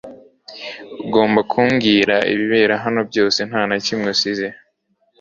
Ugombwa kumbwira ibibera hano byose ntanakimwe usize.